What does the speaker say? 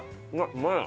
うまいな！